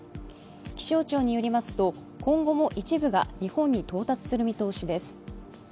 気象庁によりますと今後も一部が日本に到達する見通しです。